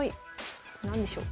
何でしょう。